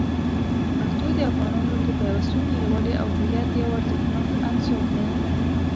پښتو د افغانانو د پیوستون، یووالي، او هویت یو ارزښتناک عنصر دی.